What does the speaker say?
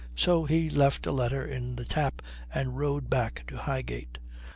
So he left a letter in the tap and rode back to Highgate.